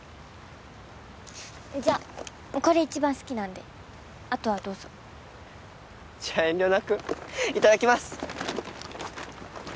じゃこれ一番好きなんであとはどうぞじゃ遠慮なくいただきます